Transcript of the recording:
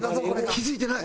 気付いてない！